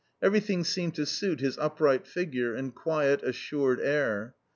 Everything seemed to suit his upright figure and quiet, assured air.